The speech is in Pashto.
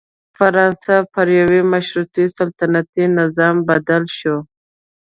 فرانسه پر یوه مشروط سلطنتي نظام بدله شوه.